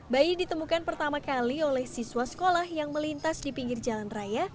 bayi ditemukan pertama kali oleh siswa sekolah yang melintas di pinggir jalan raya